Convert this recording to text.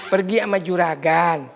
pergi sama juragan